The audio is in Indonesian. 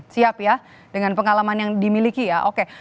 siap ya dengan pengalaman yang dimiliki ya oke